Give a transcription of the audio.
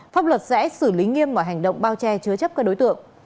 pháp luật sẽ xử lý nghiêm mọi hành động bao che chứa chấp các đối tượng